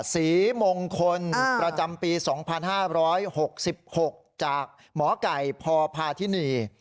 ศรีมงคลประจำปี๒๕๖๖จากหมอไก่พพาธินี